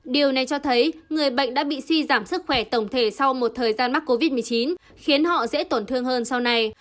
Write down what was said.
điều này cho thấy người bệnh đã bị suy giảm sức khỏe tổng thể sau một thời gian mắc covid một mươi chín khiến họ dễ tổn thương hơn sau này